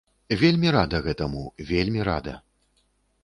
Вельмі рада гэтаму, вельмі рада.